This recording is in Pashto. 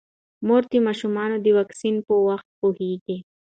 مور د ماشومانو د واکسین په وختونو پوهیږي.